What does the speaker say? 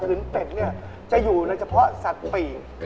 ถึงเป็ดเนี่ยจะอยู่ในเฉพาะสัตว์ปีก